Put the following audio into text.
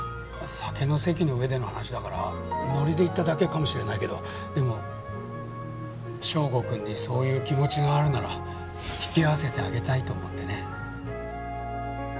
酒の席の上での話だからノリで言っただけかもしれないけどでも祥吾くんにそういう気持ちがあるなら引き合わせてあげたいと思ってね。